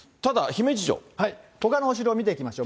ほかのお城を見ていきましょう。